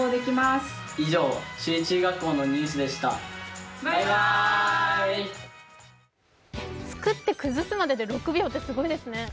おお、すごいすごい！作って崩すまでで６秒ってすごいですね。